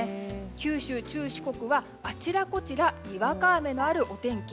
九州、中四国はあちらこちらにわか雨のあるお天気。